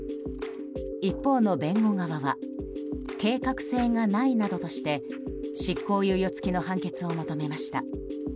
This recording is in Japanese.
一方の弁護側は計画性がないなどとして執行猶予付きの判決を求めました。